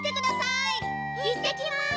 いってきます！